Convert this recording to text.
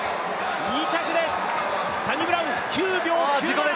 ２着です、サニブラウン、９秒９７！